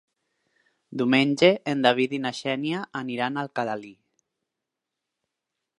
Diumenge en David i na Xènia aniran a Alcalalí.